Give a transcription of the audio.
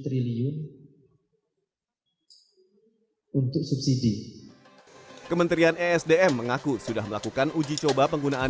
triliun untuk subsidi kementerian esdm mengaku sudah melakukan uji coba penggunaan